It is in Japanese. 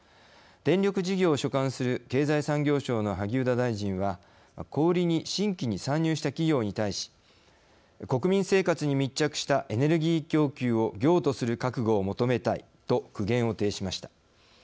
電力事業を所管する経済産業省の萩生田大臣は小売りに新規に参入した企業に対し「国民生活に密着したエネルギー供給を業とする覚悟を求めたい」と苦言を呈しました。